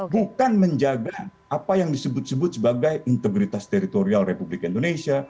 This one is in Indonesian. bukan menjaga apa yang disebut sebut sebagai integritas teritorial republik indonesia